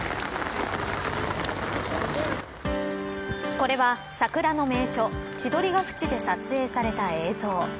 これは桜の名所千鳥ケ淵で撮影された映像。